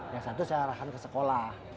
yang satu saya arahkan ke sekolah